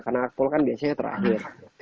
karena akpol kan biasanya terakhir